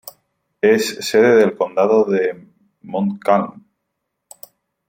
Es sede del condado de Montcalm.